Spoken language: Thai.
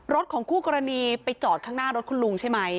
ของคู่กรณีไปจอดข้างหน้ารถคุณลุงใช่ไหม